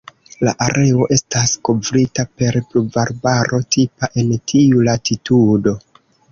La areo estas kovrita per pluvarbaro tipa en tiu latitudo.